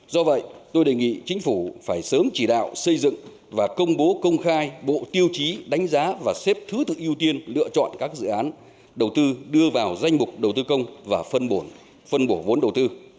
do vậy tôi đề nghị chính phủ phải sớm chỉ đạo xây dựng và công bố công khai bộ tiêu chí đánh giá và xếp thứ thực ưu tiên lựa chọn các dự án đầu tư đưa vào danh mục đầu tư công và phân bổ vốn đầu tư